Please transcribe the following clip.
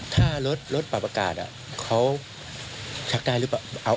ถ้ารถปรับประกาศนะเค้าชักได้รึเปล่า